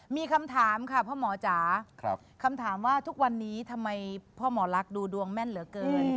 มีคำถามค่ะพ่อหมอจ๋าคำถามว่าทุกวันนี้ทำไมพ่อหมอลักษณ์ดูดวงแม่นเหลือเกิน